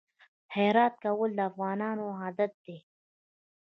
خیرات کول د افغانانو عادت دی.